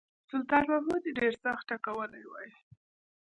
سلطان محمود ډېر سخت ټکولی وای.